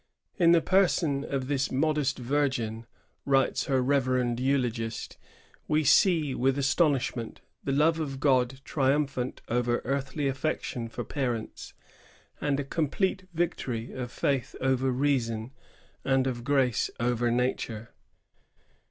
"In the person of this modest virgin," writes her reverend eulogist, "we see, with astonishment, the love of God triumphant over earthly affection for parents, and a complete victory of faith over reason and of grace over nature."